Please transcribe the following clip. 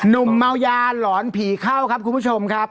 เมายาหลอนผีเข้าครับคุณผู้ชมครับ